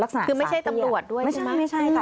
คือไม่ใช่ตำรวจด้วยใช่ไหมไม่ใช่ค่ะ